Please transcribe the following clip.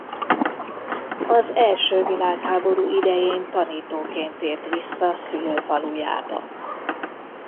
Az első világháború idején tanítóként tért vissza szülőfalujába.